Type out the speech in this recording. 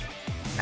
何？